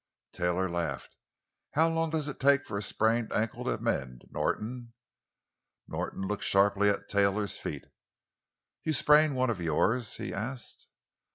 Taylor laughed. "How long does it take for a sprained ankle to mend, Norton?" Norton looked sharply at Taylor's feet. "You sprain one of yours?" he asked.